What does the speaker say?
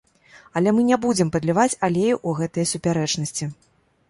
Але мы не будзем падліваць алею ў гэтыя супярэчнасці.